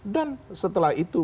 dan setelah itu